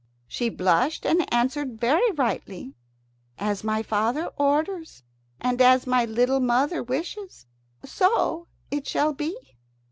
She blushed and answered, very rightly, "As my father orders, and as my little mother wishes, so shall it be."